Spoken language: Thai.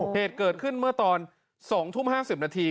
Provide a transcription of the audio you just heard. เหตุเกิดขึ้นเมื่อตอน๒ทุ่ม๕๐นาที